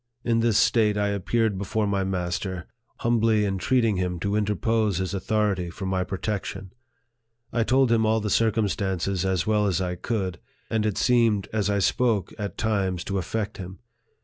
In this state I appeared before my master, humbly entreating him to interpose his authority for my protec tion. I told him all the circumstances as well as 1 could, and it seemed, as I spoke, at times to affect him.